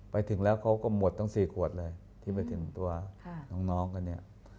ไปถึงแล้วเขาก็หมดทั้ง๔ขวดเลยที่ไปถึงตัวน้องกันเนี่ย